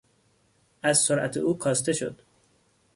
از سرعت او کاسته شد.